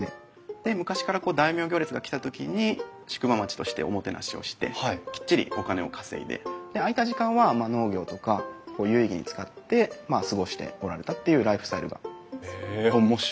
で昔から大名行列が来た時に宿場町としておもてなしをしてきっちりお金を稼いで空いた時間は農業とか有意義に使ってまあ過ごしておられたっていうライフスタイルが。へえ面白いですね。